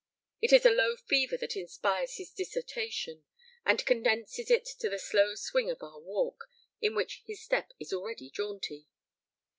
It is a low fever that inspires his dissertation, and condenses it to the slow swing of our walk, in which his step is already jaunty.